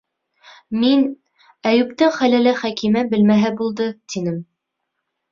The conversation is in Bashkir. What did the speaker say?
Мин, Әйүптең хәләле Хәкимә белмәһә булды, тинем.